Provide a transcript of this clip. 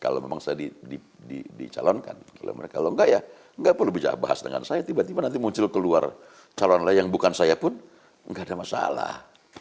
kalau memang saya dicalonkan kalau mereka longga ya nggak perlu bicara bahas dengan saya tiba tiba nanti muncul keluar calon lain yang bukan saya pun nggak ada masalah